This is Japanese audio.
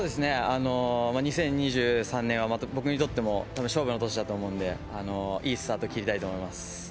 ２０２３年は僕にとっても勝負の年だと思うのでいいスタートを切りたいと思います。